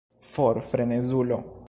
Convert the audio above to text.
For, frenezulo!